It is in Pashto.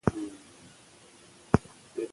نبي ﷺ ښځو ته د زدهکړې فرصت ورکړ.